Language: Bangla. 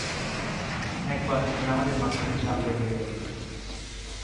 একবার নামাজের মাঝখানে সাপ বের হয়ে গেল।